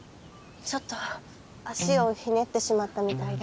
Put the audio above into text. ちょっと足をひねってしまったみたいで。